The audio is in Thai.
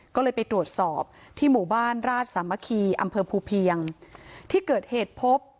ก็เลยไปตรวจสอบที่หมู่บ้านราชสามัคคีอำเภอภูเพียงที่เกิดเหตุพบ